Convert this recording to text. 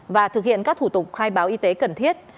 và thực hiện các thủ tục khai báo y tế cần thiết